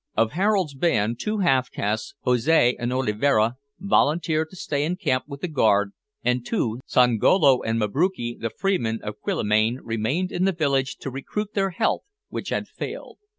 Of Harold's band, two half castes, Jose and Oliveira, volunteered to stay in camp with the guard, and two, Songolo and Mabruki, the freemen of Quillimane, remained in the village to recruit their health, which had failed.